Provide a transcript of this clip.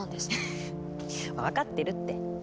フフフ分かってるって。